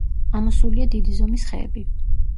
ამოსულია დიდი ზომის ხეები.